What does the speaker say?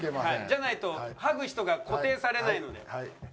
じゃないと剥ぐ人が固定されないので。